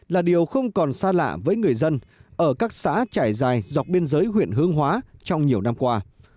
là điều không còn xa lạ với người dân ở các xã trải dài dọc biên giới huyện hương hóa trong nhiều năm qua